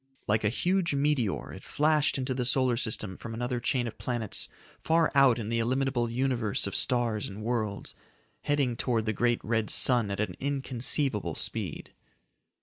Like a huge meteor it flashed into the solar system from another chain of planets far out in the illimitable Universe of stars and worlds, heading towards the great red sun at an inconceivable speed.